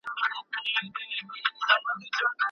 صنعت په چین کي وده وکړه.